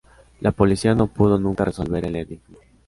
La policía no pudo nunca resolver el enigma.